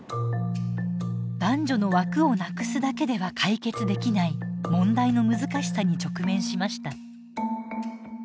男女の枠をなくすだけでは解決できない問題の難しさに直面しました。